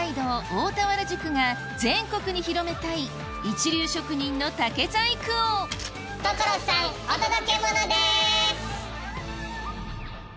大田原宿が全国に広めたい一流職人の竹細工を所さんお届けモノです！